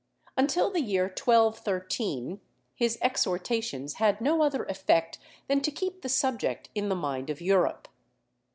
Until the year 1213, his exhortations had no other effect than to keep the subject in the mind of Europe.